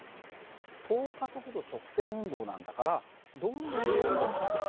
等加速度直線運動なんだからどんどんどんどん加速していくんだよ。